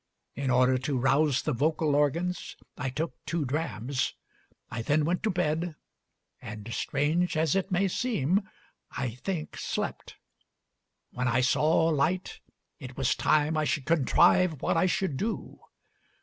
In order to rouse the vocal organs I took two drams.... I then went to bed, and strange as it may seem I think slept. When I saw light it was time I should contrive what I should do.